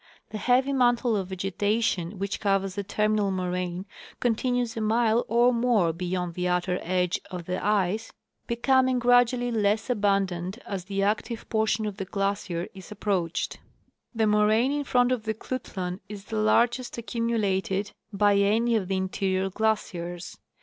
The heavy mantle of vege tation which covers the terminal moraine continues a mile or more beyond the outer edge of the ice, becoming gradually less abundant as the active portion of the glacier is approached. The moraine in front of the Klutlan is the largest accumulated by any of the interior glaciers.